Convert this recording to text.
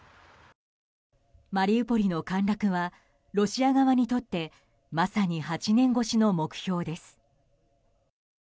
マリウポリの陥落はロシア側にとってまさに８年越しの目標です。